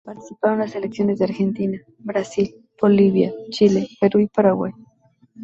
Participaron los seleccionados de Argentina, Brasil, Bolivia, Chile, Perú y Paraguay.